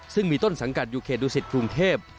ซึ่งมีต้นสังกัดอยู่เขตดุสิตกรุงเทพ